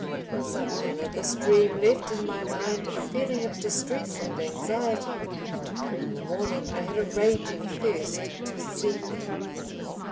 In some manner this dream left in my mind a feeling of distress and anxiety. In the morning I had a raging thirst to see her.